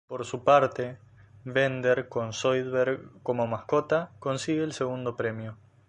Por su parte, Bender con Zoidberg como mascota consigue el segundo premio.